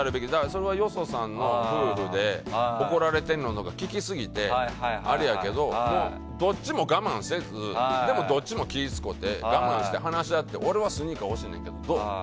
それは、よそさんの夫婦で怒られてるのを聞きすぎてあれやけどどっちも我慢せずでも、どっちもを気を使って我慢して話し合って俺はスニーカー欲しいねんけどどう？